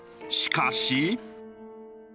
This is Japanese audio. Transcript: しかし。